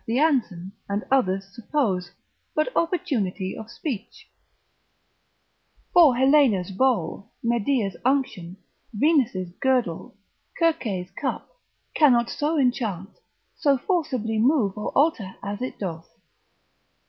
9. Greg. Nazianzen, and others suppose, but opportunity of speech: for Helena's bowl, Medea's unction, Venus's girdle, Circe's cup, cannot so enchant, so forcibly move or alter as it doth.